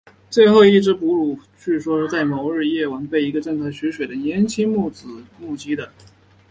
最后一只布鲁据说是在某日的夜晚被一个正在取水的年轻女子目击的。